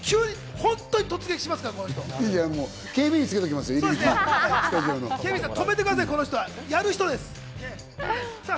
本当に突撃しますから、この人。